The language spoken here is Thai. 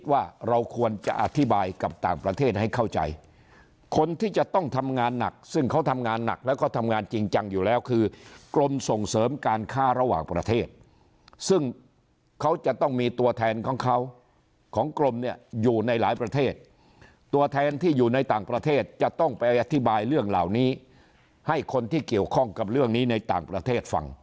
ว่าเราควรจะอธิบายกับต่างประเทศให้เข้าใจคนที่จะต้องทำงานหนักซึ่งเขาทำงานหนักแล้วก็ทำงานจริงจังอยู่แล้วคือกรมส่งเสริมการค้าระหว่างประเทศซึ่งเขาจะต้องมีตัวแทนของเขาของกรมเนี่ยอยู่ในหลายประเทศตัวแทนที่อยู่ในต่างประเทศจะต้องไปอธิบายเรื่องเหล่านี้ให้คนที่เกี่ยวข้องกับเรื่องนี้ในต่างประเทศฟัง